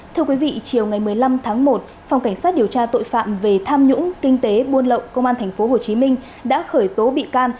thưa quý vị chiều ngày một mươi năm tháng một phòng cảnh sát điều tra tội phạm về tham nhũng kinh tế buôn lậu công an tp hcm đã khởi tố bị can